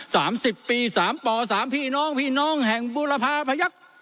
สามสิบปีสามปอสามพี่น้องพี่น้องแห่งบูรพาพยักษ์